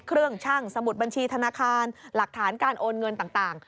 ช่างสมุดบัญชีธนาคารหลักฐานการโอนเงินต่าง